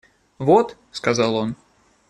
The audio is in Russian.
– Вот, – сказал он.